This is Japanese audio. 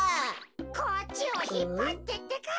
・こっちをひっぱってってか。